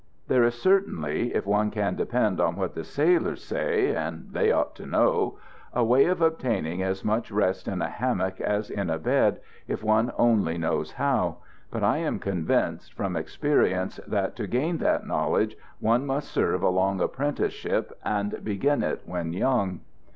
There is certainly, if one can depend on what the sailors say and they ought to know a way of obtaining as much rest in a hammock as in a bed if one only knows how; but I am convinced, from experience, that to gain that knowledge one must serve a long apprenticeship and begin it when young.